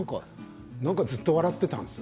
なんかずっと笑っていたんですよ